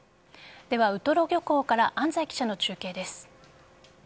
では、ウトロ漁港から安齋記者の中継です。